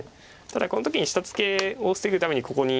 ただこの時に下ツケを防ぐためにここに。